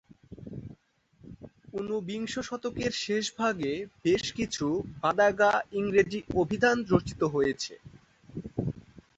ঊনবিংশ শতকের শেষ ভাগে বেশ কিছু বাদাগা-ইংরেজি অভিধান রচিত হয়েছে।